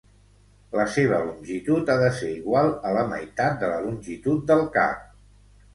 La seva longitud ha de ser igual a la meitat de la longitud del cap.